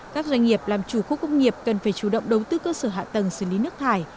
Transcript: các doanh nghiệp làm chủ khu công nghiệp cần phải chủ động đầu tư cơ sở hạ tầng xử lý nước thải